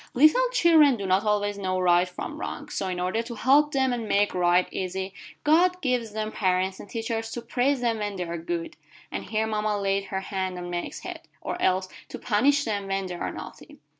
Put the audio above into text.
"Little children do not always know right from wrong, so in order to help them and make right easy, God gives them parents and teachers to praise them when they are good" and here mama laid her hand on Meg's head "or else to punish them when they are naughty.